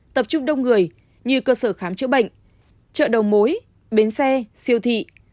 tập trung đông người như cơ sở khám chữa bệnh chợ đầu mối bến xe siêu thị